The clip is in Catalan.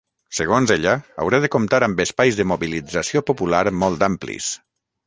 Segons ella, haurà de comptar amb espais de mobilització popular ‘molt amplis’.